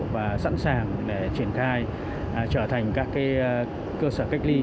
và sẵn sàng để triển khai trở thành các cơ sở cách ly